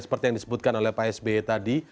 seperti yang disebutkan oleh pak sby tadi